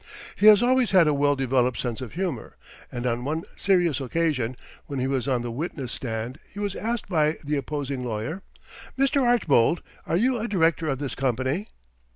He has always had a well developed sense of humour, and on one serious occasion, when he was on the witness stand, he was asked by the opposing lawyer: "Mr. Archbold, are you a director of this company?"